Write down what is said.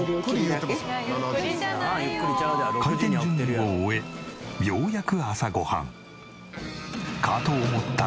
開店準備を終えようやく朝ご飯。かと思ったら！